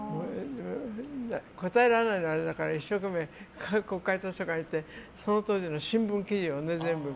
答えられないのはあれだから一生懸命国会図書館に行ってその当時の新聞記事を全部ね。